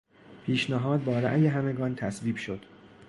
پیشنهاد با رای همگان تصویب شد.